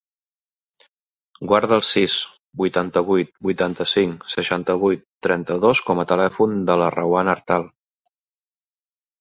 Guarda el sis, vuitanta-vuit, vuitanta-cinc, seixanta-vuit, trenta-dos com a telèfon de la Rawan Artal.